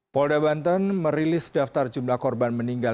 polda banten merilis daftar jumlah korban meninggal